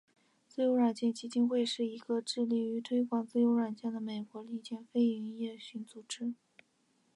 自由软件基金会是一个致力于推广自由软件的美国民间非营利性组织。